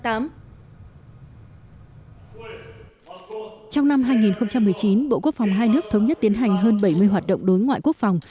trong năm hai nghìn một mươi chín bộ quốc phòng hai nước thống nhất tiến hành hơn bảy mươi hoạt động đối ngoại quốc phòng